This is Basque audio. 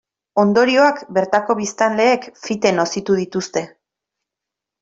Ondorioak bertako biztanleek fite nozitu dituzte.